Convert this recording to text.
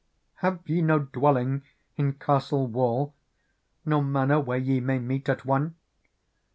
Ha^e ye no dwelling in castle wall Nor manor where ye may meet at one